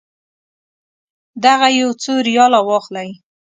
دغه یو څو ریاله واخلئ.